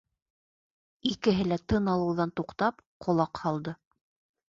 Икеһе лә тын алыуҙан туҡтап, ҡолаҡ һалды.